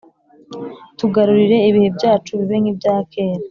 Tugarurire ibihe byacu, Bibe nk’ibya kera.